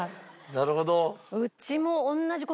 なるほど！